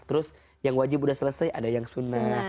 terus yang wajib sudah selesai ada yang sunnah